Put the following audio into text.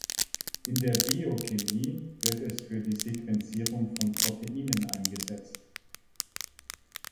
In der Biochemie wird es für die Sequenzierung von Proteinen eingesetzt.